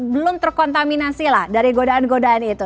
belum terkontaminasi lah dari godaan godaan itu